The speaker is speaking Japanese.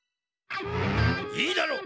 いいだろう！